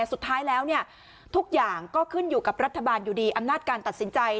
สุดท้ายแล้วเนี่ยทุกอย่างก็ขึ้นอยู่กับรัฐบาลอยู่ดีอำนาจการตัดสินใจ